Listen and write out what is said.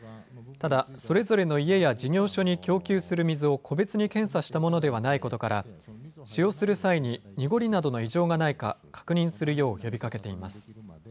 ただ、それぞれの家や事業所に供給する水を個別に検査したものではないことから使用する際に濁りなどの異常がないか確認するよう呼びかけています。